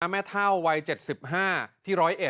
หน้าแม่เท่าวัย๗๕ที่๑๐๑